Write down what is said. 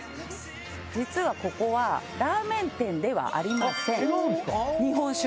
実はここはラーメン店ではありません。